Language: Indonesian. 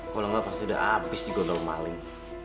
kalau gak pasti udah abis di gondol maling